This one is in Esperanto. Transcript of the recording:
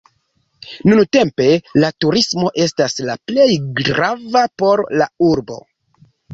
Nuntempe la turismo estas la plej grava por la urbo.